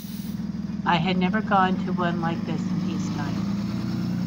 I had never gone to one like this in peacetime.